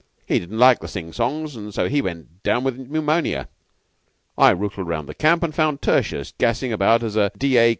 He didn't like the sing songs, and so he went down with pneumonia. I rootled round the camp, and found Tertius gassing about as a D.A.